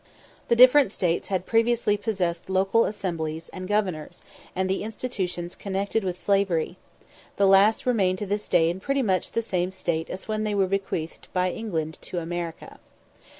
The different States had previously possessed local assemblies, and governors, and the institutions connected with slavery; the last remain to this day in pretty much the same state as when they were bequeathed by England to America.